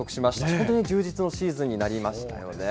本当に充実のシーズンになりましたよね。